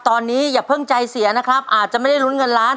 ตอนนี้อย่าเพิ่งใจเสียนะครับอาจจะไม่ได้ลุ้นเงินล้าน